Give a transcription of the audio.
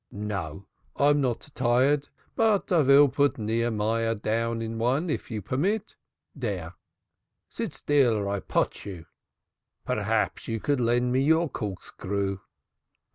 "No, I'm not tired. But I vill put Nechemyah down on one, if you permit. Dere! Sit still or I potch you! P'raps you could lend me your corkscrew."